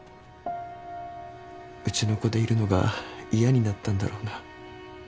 うちの子でいるのが嫌になったんだろうな。